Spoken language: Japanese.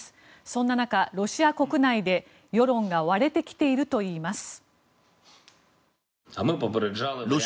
そんな中、ロシア国内で世論が割れてきているといいます。